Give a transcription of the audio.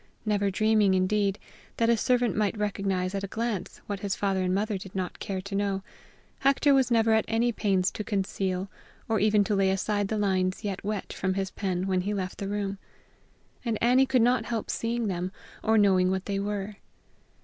Never dreaming, indeed, that a servant might recognize at a glance what his father and mother did not care to know, Hector was never at any pains to conceal, or even to lay aside the lines yet wet from his pen when he left the room; and Annie could not help seeing them, or knowing what they were.